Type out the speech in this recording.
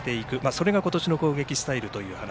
それが今年の攻撃スタイルという話。